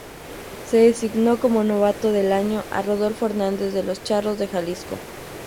Se designó como novato del año a Rodolfo Hernández de los Charros de Jalisco.